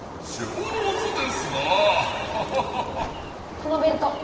このベルト！